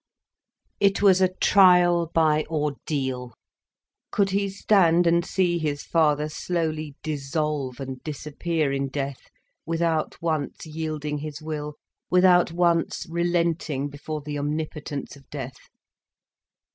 It was a trial by ordeal. Could he stand and see his father slowly dissolve and disappear in death, without once yielding his will, without once relenting before the omnipotence of death.